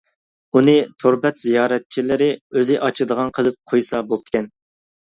ئۇنى تور بەت زىيارەتچىلىرى ئۆزى ئاچىدىغان قىلىپ قويسا بوپتىكەن.